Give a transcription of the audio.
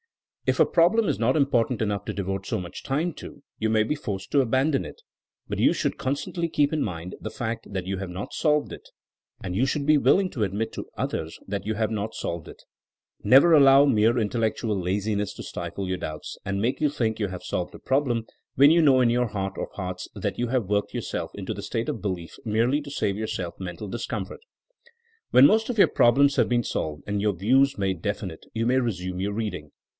If a problem is not important enough to devote so much time to you may be forced to abandon it; but you should constantly keep in mind the fact that you have not solved it, and you should be will ing to admit to others that you have not solved it. Never allow mere intellectual laziness to stifle your doubts and make you think you have solved a problem, when you know in your heart of hearts that you have worked yourself into the state of belief merely to save yourself men tal discomfort. When most of your problems have been solved and your views made definite you may resume your reading.